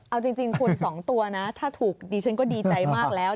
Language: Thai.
เอาจริงคุณ๒ตัวนะถ้าถูกดิฉันก็ดีใจมากแล้ว